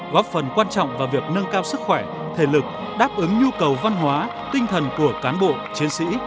góp phần quan trọng vào việc nâng cao sức khỏe thể lực đáp ứng nhu cầu văn hóa tinh thần của cán bộ chiến sĩ